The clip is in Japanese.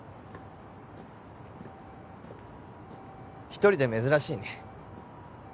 一人で珍しいね